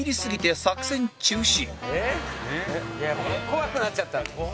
「怖くなっちゃったんだ」